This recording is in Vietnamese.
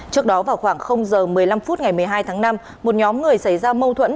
trước đó vào khoảng giờ một mươi năm phút ngày một mươi hai tháng năm một nhóm người xảy ra mâu thuẫn